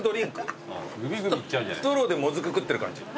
ストローでもずく食ってる感じ。